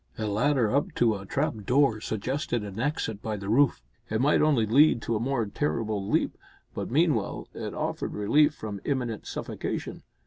A ladder up to a trap door suggested an exit by the roof. It might only lead to a more terrible leap, but meanwhile it offered relief from imminent suffocation.